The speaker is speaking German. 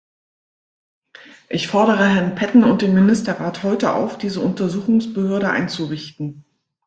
Ich fordere Herrn Patten und den Ministerrat heute auf, diese Untersuchungsbehörde einzurichten.